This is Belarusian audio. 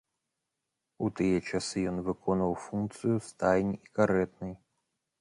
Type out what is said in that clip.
У тыя часы ён выконваў функцыю стайні і карэтнай.